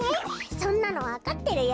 そんなのわかってるよ！